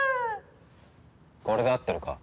これで合ってるか？